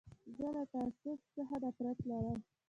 زه له تعصب څخه نفرت لرم.